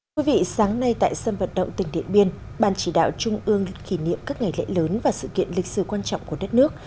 thưa quý vị sáng nay tại sân vận động tỉnh điện biên ban chỉ đạo trung ương kỷ niệm các ngày lễ lớn và sự kiện lịch sử quan trọng của đất nước